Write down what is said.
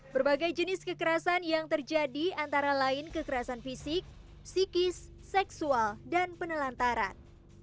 berbagai jenis kekerasan yang terjadi antara lain kekerasan fisik psikis seksual dan penelantaran